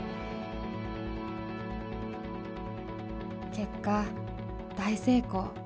結果大成功。